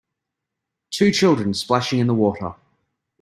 Two children splashing in the water.